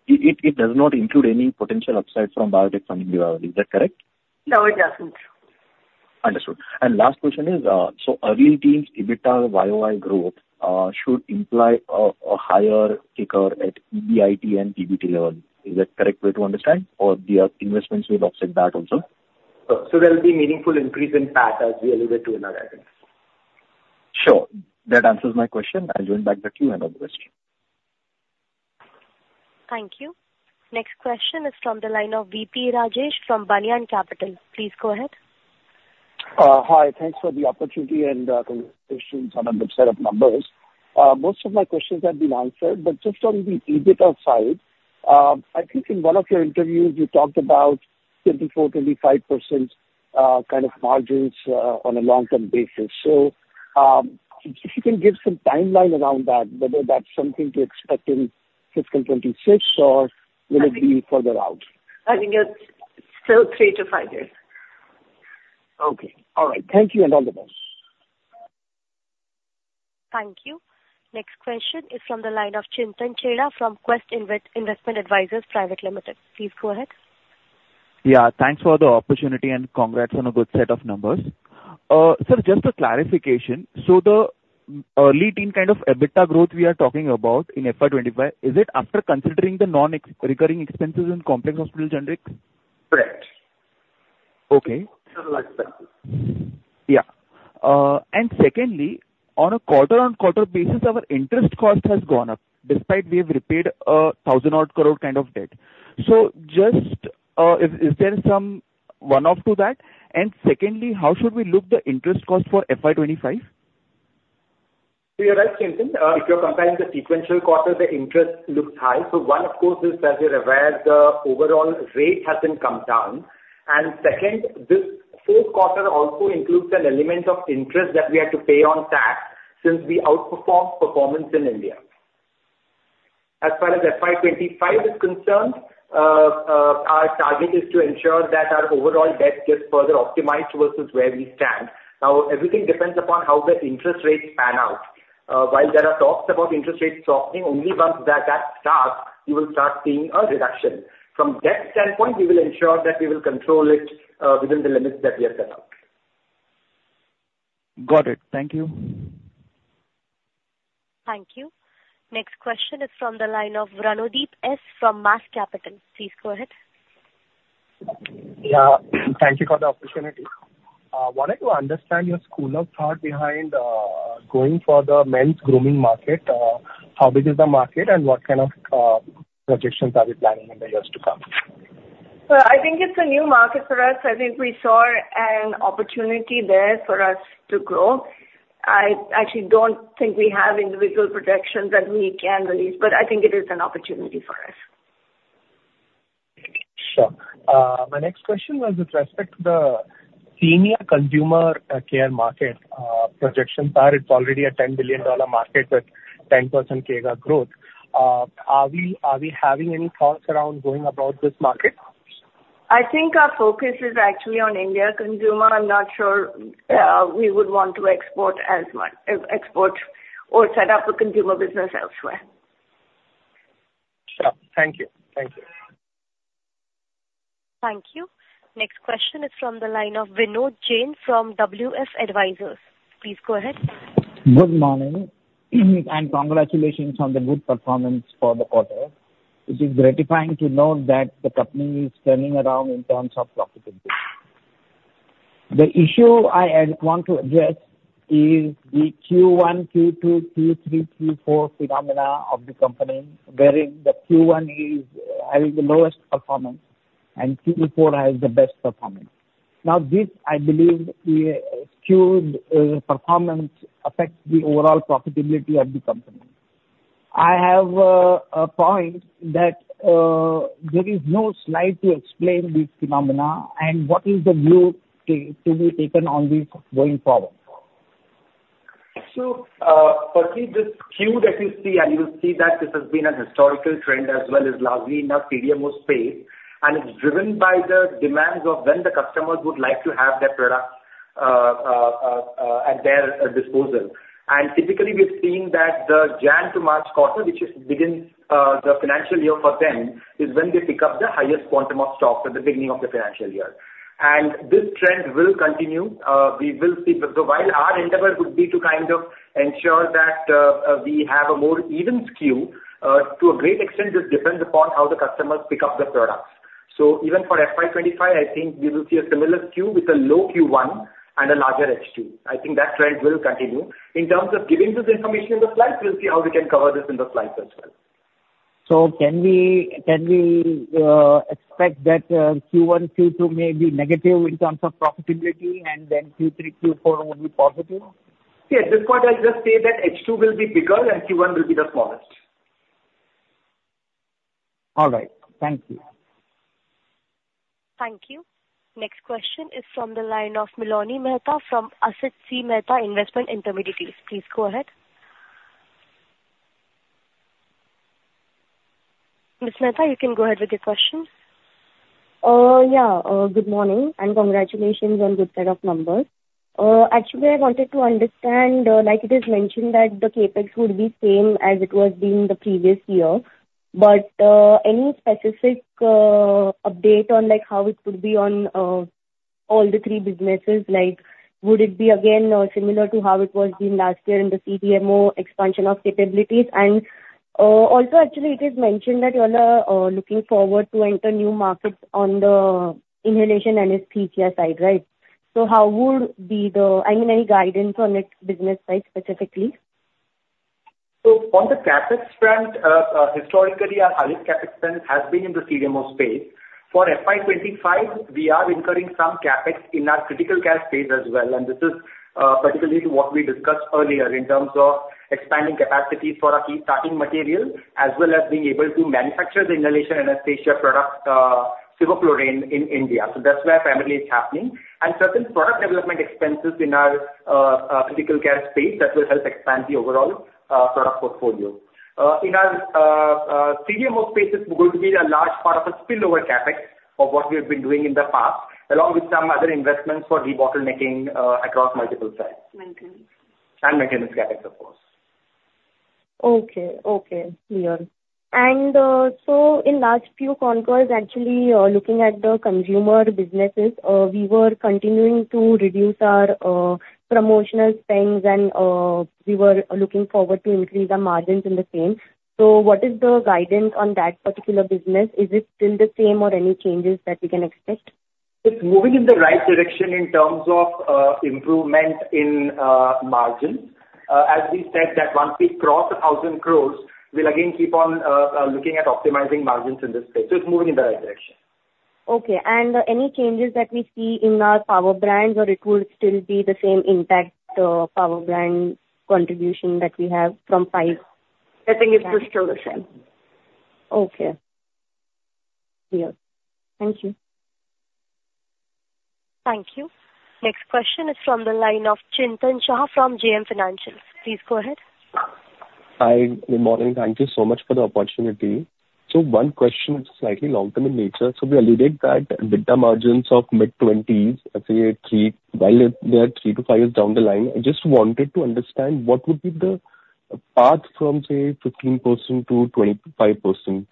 it does not include any potential upside from biotech funding given the. Is that correct?
No, it doesn't.
Understood. And last question is, so early teens EBITDA or YoY growth should imply a higher uptick at EBIT and PBT level. Is that correct way to understand, or the investments will offset that also?
So there'll be meaningful increase in PAT as we alluded to in our guidance.
Sure. That answers my question. I'll join back in the Q&A.
Thank you. Next question is from the line of VP Rajesh from Banyan Capital Advisors. Please go ahead.
Hi. Thanks for the opportunity and conversations on a good set of numbers. Most of my questions have been answered, but just on the EBITDA side, I think in one of your interviews, you talked about 24%-25% kind of margins on a long-term basis. So if you can give some timeline around that, whether that's something to expect in fiscal 2026, or will it be further out?
I think it's still 3 years-5 years.
Okay. All right. Thank you, and all the best.
Thank you. Next question is from the line of Chintan Chheda from Quest Investment Advisors Private Limited. Please go ahead.
Yeah. Thanks for the opportunity, and congrats on a good set of numbers. Sir, just a clarification. So the early teens kind of EBITDA growth we are talking about in FY25, is it after considering the recurring expenses in Complex Hospital Generics?
Correct.
Okay. Yeah. Secondly, on a quarter-on-quarter basis, our interest cost has gone up despite we have repaid 1,000-odd crore kind of debt. So is there some one-off to that? And secondly, how should we look at the interest cost for FY25?
So you're right, Chintan. If you're comparing the sequential quarters, the interest looks high. So one, of course, is that we're aware the overall rate hasn't come down. And second, this fourth quarter also includes an element of interest that we had to pay on tax since we outperformed performance in India. As far as FY25 is concerned, our target is to ensure that our overall debt gets further optimized versus where we stand. Now, everything depends upon how the interest rates pan out. While there are talks about interest rates softening, only once that starts, you will start seeing a reduction. From debt standpoint, we will ensure that we will control it within the limits that we have set out.
Got it. Thank you.
Thank you. Next question is from the line of Ranodeep Sen from MAS Capital. Please go ahead.
Yeah. Thank you for the opportunity. Wanted to understand your school of thought behind going for the men's grooming market. How big is the market, and what kind of projections are we planning in the years to come?
So I think it's a new market for us. I think we saw an opportunity there for us to grow. I actually don't think we have individual projections that we can release, but I think it is an opportunity for us.
Sure. My next question was with respect to the senior consumer care market projections. It's already a $10 billion market with 10% CAGR growth. Are we having any thoughts around going about this market?
I think our focus is actually on India Consumer. I'm not sure we would want to export or set up a consumer business elsewhere.
Sure. Thank you. Thank you.
Thank you. Next question is from the line of Vinod Jain from WF Advisors. Please go ahead.
Good morning, and congratulations on the good performance for the quarter. It is gratifying to know that the company is turning around in terms of profitability. The issue I want to address is the Q1, Q2, Q3, Q4 phenomenon of the company, wherein the Q1 is having the lowest performance and Q4 has the best performance. Now, this, I believe, skewed performance affects the overall profitability of the company. I have a point that there is no slide to explain this phenomenon, and what is the view to be taken on this going forward?
So perceive this skew that you see, and you'll see that this has been a historical trend as well as largely in our CDMO space, and it's driven by the demands of when the customers would like to have their products at their disposal. Typically, we've seen that the Jan to March quarter, which begins the financial year for them, is when they pick up the highest quantum of stock at the beginning of the financial year. This trend will continue. We will see. So while our endeavor would be to kind of ensure that we have a more even skew, to a great extent, this depends upon how the customers pick up the products. So even for FY25, I think we will see a similar skew with a low Q1 and a larger H2. I think that trend will continue. In terms of giving this information in the slides, we'll see how we can cover this in the slides as well.
So can we expect that Q1, Q2 may be negative in terms of profitability, and then Q3, Q4 would be positive?
Yeah. At this point, I'll just say that H2 will be bigger and Q1 will be the smallest.
All right. Thank you.
Thank you. Next question is from the line of Miloni Mehta from Asit C. Mehta Investment Intermediaries. Please go ahead. Ms. Mehta, you can go ahead with your question.
Yeah. Good morning, and congratulations on a good set of numbers. Actually, I wanted to understand, like it is mentioned, that the CapEx would be same as it was in the previous year, but any specific update on how it would be on all the three businesses? Would it be, again, similar to how it was in last year in the CDMO expansion of capabilities? And also, actually, it is mentioned that you're looking forward to enter new markets on the inhalation anesthesia side, right? So how would be the I mean, any guidance on its business side specifically?
So on the CapEx front, historically, our highest CapEx spend has been in the CDMO space. For FY25, we are incurring some CapEx in our critical care space as well, and this is particularly what we discussed earlier in terms of expanding capacities for our key starting material as well as being able to manufacture the inhalation anesthesia product, Sevoflurane, in India. So that's where primarily it's happening. And certain product development expenses in our critical care space that will help expand the overall product portfolio. In our CDMO space, it's going to be a large part of a spillover CapEx of what we have been doing in the past along with some other investments for de-bottlenecking across multiple sites. Maintenance CapEx, of course.
Okay. Okay, DeYoung. So in last few quarters, actually, looking at the consumer businesses, we were continuing to reduce our promotional spends, and we were looking forward to increase our margins in the same. So what is the guidance on that particular business? Is it still the same, or any changes that we can expect?
It's moving in the right direction in terms of improvement in margins. As we said, that once we cross 1,000 crore, we'll again keep on looking at optimizing margins in this space. So it's moving in the right direction.
Okay. And any changes that we see in our power brands, or it would still be the same impact power brand contribution that we have from 5?
I think it's just still the same.
Okay. Leon, thank you.
Thank you. Next question is from the line of Chintan Shah from JM Financial. Please go ahead.
Hi. Good morning. Thank you so much for the opportunity. So one question, it's slightly long-term in nature. So we alluded that EBITDA margins of mid-20s, say, while they are 3-5 years down the line, I just wanted to understand what would be the path from, say, 15%-25%?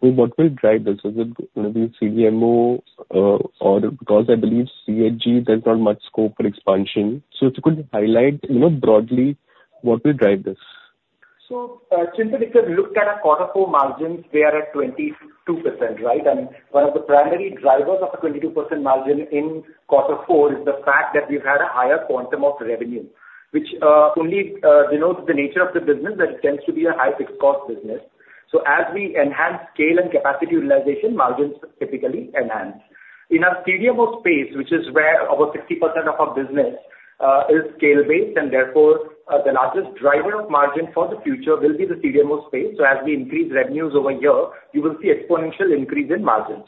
What will drive this? Is it going to be CDMO, or because I believe CHG, there's not much scope for expansion? So if you could highlight broadly what will drive this?
So Chintan, if you looked at our quarter four margins, we are at 22%, right? And one of the primary drivers of a 22% margin in quarter four is the fact that we've had a higher quantum of revenue, which only denotes the nature of the business that it tends to be a high fixed cost business. So as we enhance scale and capacity utilization, margins typically enhance. In our CDMO space, which is where over 60% of our business is scale-based, and therefore, the largest driver of margin for the future will be the CDMO space. So as we increase revenues over year, you will see exponential increase in margins.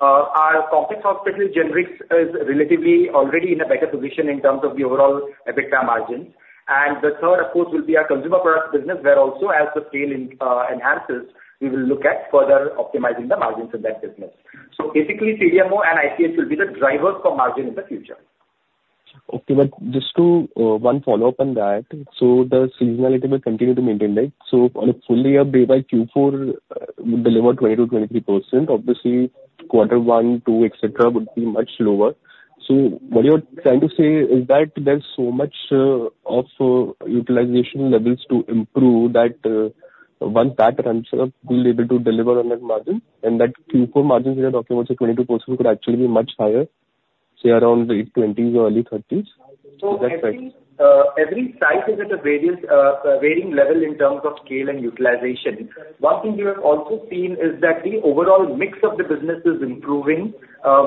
Our Complex Hospital Generics is relatively already in a better position in terms of the overall EBITDA margins. The third, of course, will be our consumer products business where also, as the scale enhances, we will look at further optimizing the margins in that business. So basically, CDMO and ICH will be the drivers for margin in the future.
Okay. But just one follow-up on that. So the seasonality will continue to maintain. So on a fully year-based by Q4, we deliver 20%-23%. Obviously, quarter one, two, etc., would be much lower. So what you're trying to say is that there's so much of utilization levels to improve that once that runs up, we'll be able to deliver on that margin. And that Q4 margins we are talking about, say, 22%, could actually be much higher, say, around the 20s or early 30s. Is that correct?
So every site is at a varying level in terms of scale and utilization. One thing we have also seen is that the overall mix of the business is improving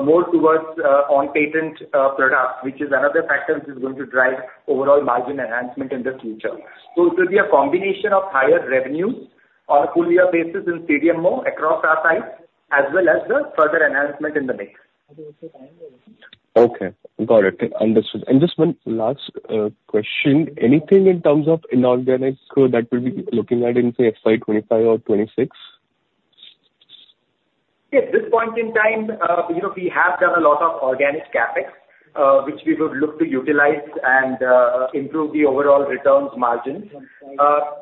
more towards on-patent products, which is another factor which is going to drive overall margin enhancement in the future. So it will be a combination of higher revenues on a full year basis in CDMO across our sites as well as the further enhancement in the mix.
Okay. Got it. Understood. And just one last question. Anything in terms of inorganic that we'll be looking at in, say, FY 2025 or 2026?
Yeah. At this point in time, we have done a lot of organic CapEx, which we would look to utilize and improve the overall returns margins.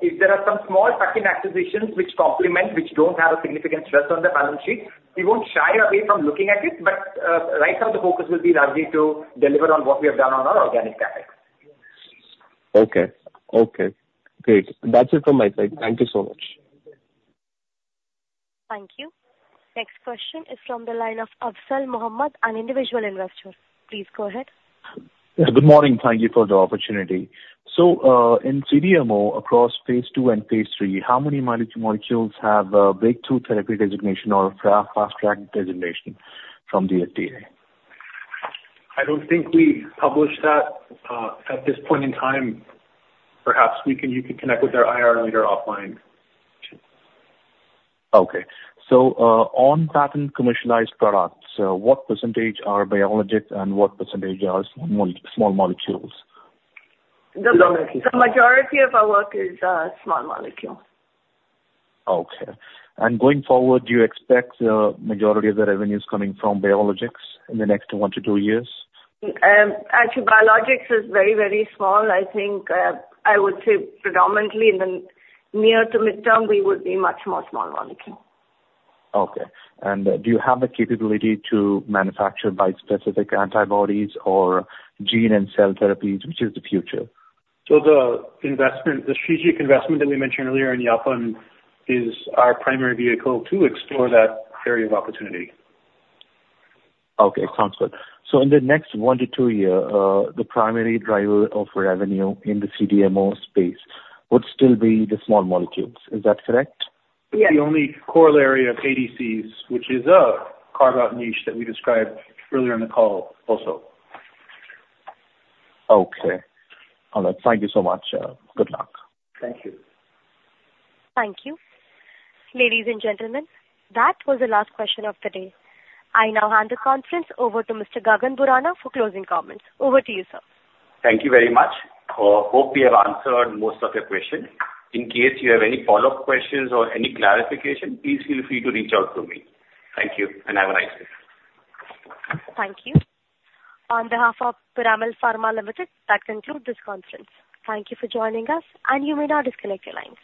If there are some small tuck-in acquisitions which complement, which don't have a significant stress on the balance sheet, we won't shy away from looking at it. Right now, the focus will be largely to deliver on what we have done on our organic CapEx.
Okay. Okay. Great. That's it from my side. Thank you so much.
Thank you. Next question is from the line of Afzal Mohammad, an individual investor. Please go ahead.
Good morning. Thank you for the opportunity. So in CDMO across phase II and phase III, how many molecules have breakthrough therapy designation or fast-track designation from the FDA?
I don't think we published that at this point in time. Perhaps you could connect with our IR leader offline.
Okay. So on-patent commercialized products, what percentage are biologics, and what percentage are small molecules?
The majority of our work is small molecules.
Okay. And going forward, do you expect the majority of the revenues coming from biologics in the next one to two years?
Actually, biologics is very, very small. I would say predominantly in the near to mid-term, we would be much more small molecules.
Okay. Do you have the capability to manufacture bispecific antibodies or gene and cell therapies, which is the future?
So the strategic investment that we mentioned earlier in Yapan is our primary vehicle to explore that area of opportunity.
Okay. Sounds good. So in the next 1-2 years, the primary driver of revenue in the CDMO space would still be the small molecules. Is that correct?
Yes.
The only core area of ADCs, which is a carve-out niche that we described earlier in the call also.
Okay. All right. Thank you so much. Good luck.
Thank you.
Thank you. Ladies and gentlemen, that was the last question of the day. I now hand the conference over to Mr. Gagan Borana for closing comments. Over to you, sir.
Thank you very much. Hope we have answered most of your questions. In case you have any follow-up questions or any clarification, please feel free to reach out to me. Thank you, and have a nice day.
Thank you. On behalf of Piramal Pharma Limited, that concludes this conference. Thank you for joining us, and you may now disconnect your lines.